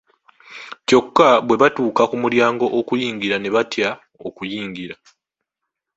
Kyokka bwe baatuuka ku mulyango oguyingira ne batya okuyingira.